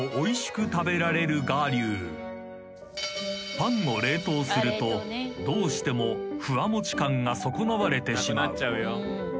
［パンを冷凍するとどうしてもふわもち感が損なわれてしまう］